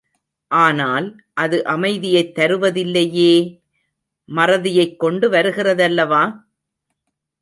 ஆனால், அது அமைதியைத் தருவதில்லையே! மறதியைக் கொண்டு வருகிறதல்லவா?